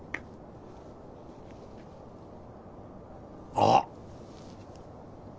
あっ！